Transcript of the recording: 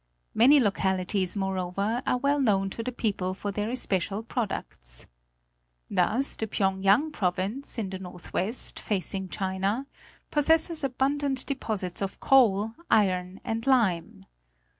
Many localities, moreover, are well known to the people for their especial products. Thus the Phyéngyang province, in the northwest, facing China, possesses abundant deposits of coal, iron, and lime.